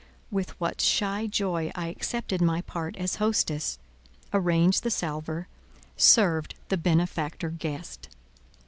With what shy joy I accepted my part as hostess, arranged the salver, served the benefactor guest.